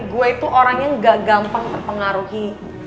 gue itu orang yang gak gampang terpengaruhi